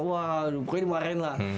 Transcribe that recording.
wah aduh pokoknya dimarahin lah